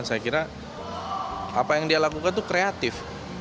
saya kira apa yang dia lakukan itu kreatif